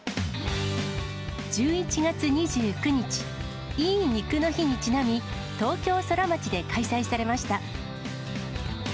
１１月２９日、いい肉の日にちなみ、東京ソラマチで開催されました。